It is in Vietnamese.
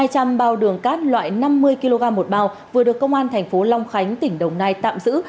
còn hai trăm linh bao đường cát loại năm mươi kg một bao vừa được công an tp long khánh tỉnh đồng nai tạm giữ